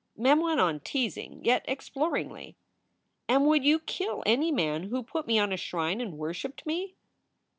Mem went on, teasing, yet exploringly: "And would you kill any man who put me on a shrine and worshiped me?"